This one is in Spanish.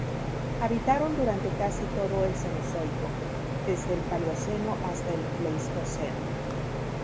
Habitaron durante casi todo el Cenozoico, desde el Paleoceno hasta el Pleistoceno.